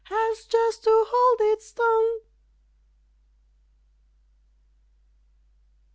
_ Has just to hold its tongue.